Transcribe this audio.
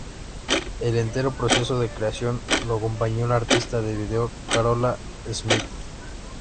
El entero proceso de creación lo acompañó la artista de video Carola Schmidt.